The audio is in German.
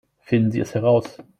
Finden Sie es heraus